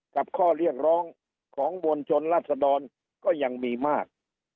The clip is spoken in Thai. กับข้อเรียกร้องของมวลชนราศดรก็ยังมีมาก